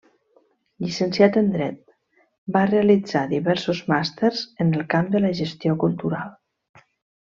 Llicenciat en dret, va realitzar diversos màsters en el camp de la gestió cultural.